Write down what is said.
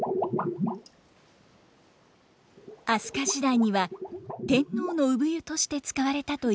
飛鳥時代には天皇の産湯として使われたといいます。